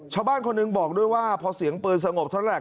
ชาวบ้านคนหนึ่งบอกด้วยว่าพอเสียงปืนสงบเท่านั้นแหละ